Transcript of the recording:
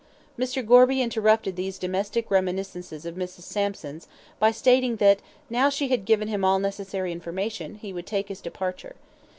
Mr. Gorby interrupted these domestic reminiscences of Mrs. Sampson's by stating that, now she had given him all necessary information, he would take his departure.